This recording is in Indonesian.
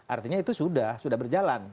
artinya itu sudah sudah berjalan